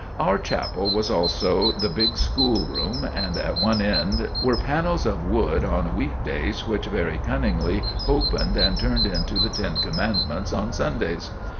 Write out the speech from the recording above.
Our chapel was also the big school room, and at one end were panels of wood on week days which very cunningly opened and turned into the Ten Commandments on Sundays.